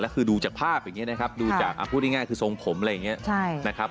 แล้วคือดูจากภาพอย่างนี้นะครับพูดง่ายคือทรงผมแบบนี้นะครับ